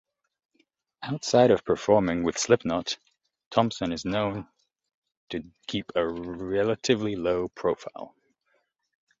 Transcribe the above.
Outside of performing with Slipknot, Thomson is known to keep a relatively low profile.